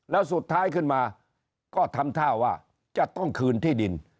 แล้วสุดท้ายขึ้นมาก็ทำท่าว่าจะต้องคืนที่ดิน